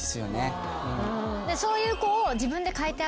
そういう子を。